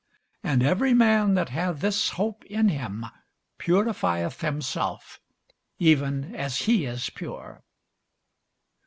And every man that hath this hope in him purifieth himself, even as he is pure.